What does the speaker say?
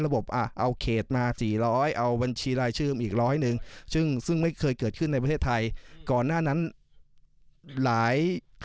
ระบบเอาเขตมาสี่ร้อยเอาบัญชีรายชื่นอีกร้อยหนึ่งซึ่งซึ่งไม่เคยเกิดขึ้นในประเทศไทย